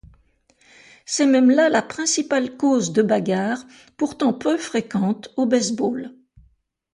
C'est même là la principale cause de bagarres, pourtant peu fréquentes, au baseball.